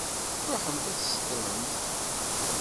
Ṛuḥemt ad d-tseṭṭlemt.